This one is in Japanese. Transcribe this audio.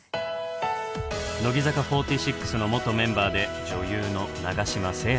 乃木坂４６の元メンバーで女優の永島聖羅さん。